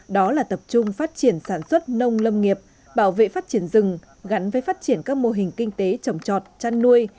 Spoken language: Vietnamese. đó là tập trung phát triển sản xuất nông lâm nghiệp bảo vệ phát triển rừng gắn với phát triển các mô hình kinh tế trồng trọt chăn nuôi